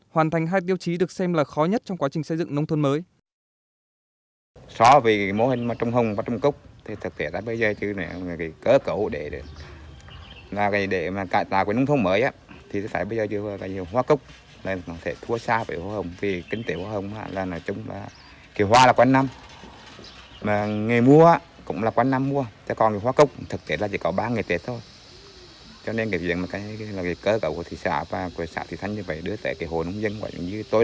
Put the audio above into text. hoàn thành hai tiêu chí được xem là khó nhất trong quá trình xây dựng nông thôn mới